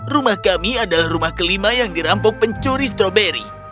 rumah kami adalah rumah kelima yang dirampok pencuri stroberi